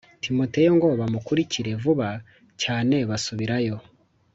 Timoteyo ngo bamukurikire vuba cyane basubirayo